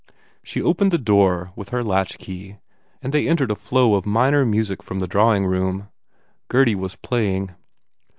She opened the door with her latchkey and they entered a flow of minor music from the drawing room. Gurdy was play ing.